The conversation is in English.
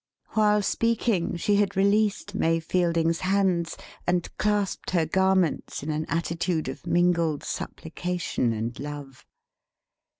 While speaking, she had released May Fielding's hands, and clasped her garments in an attitude of mingled supplication and love.